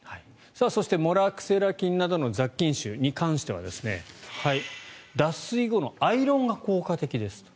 そして、モラクセラ菌などの雑菌臭に関しては脱水後のアイロンが効果的ですと。